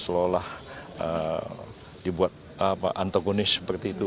seolah olah dibuat antagonis seperti itu